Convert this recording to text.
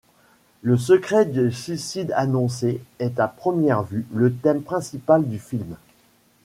Le secret du suicide annoncé, est à première vue le thème principal du film.